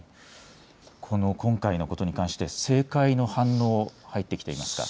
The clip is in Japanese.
今回のことに関して政界の反応、入ってきていますか？